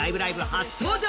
初登場。